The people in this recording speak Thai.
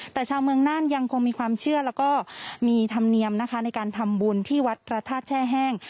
แต่ชาวเมืองน่านยังคงมีความเชื่อแล้วก็มีธรรมเนียมนะคะในการทำบุญที่วัดพระธาตุแช่แห้ง